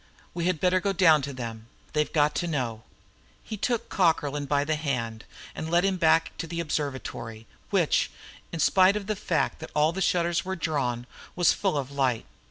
"We had better go down to them; they've got to know." He took Cockerlyne by the hand and led him back to the observatory, which, in spite of the fact that all its shutters were drawn, was full of light.